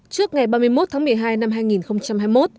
trước ngày ba mươi một tháng một mươi hai năm hai nghìn hai mươi một